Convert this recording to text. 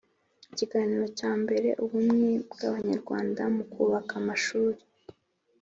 Ikiganiro cyambere Ubumwe bw abanyarwanda mu kubaka amashuri